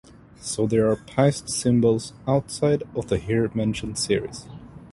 So there are Paiste cymbals 'outside' of the here mentioned series.